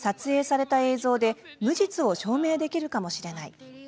撮影された映像で無実を証明できるかもしれない。